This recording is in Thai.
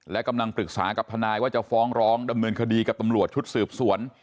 และกำลังปรึกษากับทนายว่าจะฟ้องร้องดำเนินคดีกับตำรวจชุดสืบสวน